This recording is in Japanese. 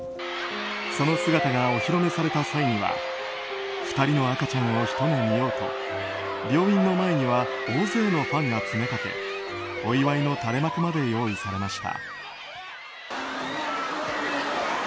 その姿がお披露目された際には２人の赤ちゃんをひと目見ようと病院の前には大勢のファンが詰めかけお祝いの垂れ幕まで用意されました。